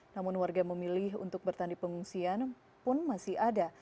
namun warga memilih untuk bertandi pengungsian pun masih ada